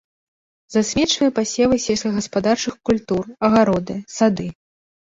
Засмечвае пасевы сельскагаспадарчых культур, агароды, сады.